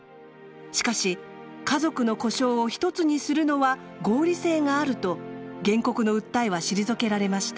しかし「家族の呼称を１つにするのは合理性がある」と原告の訴えは退けられました。